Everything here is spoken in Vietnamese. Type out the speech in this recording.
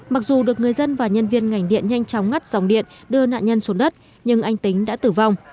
mặc dù được người dân và nhân viên ngành điện nhanh chóng ngắt dòng điện đưa nạn nhân xuống đất nhưng anh tính đã tử vong